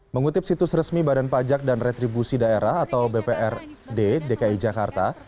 mengutip situs resmi badan pajak dan retribusi daerah atau bprd dki jakarta